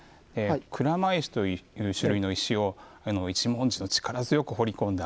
鞍馬石という種類の石を一文字に力強く彫り込んだ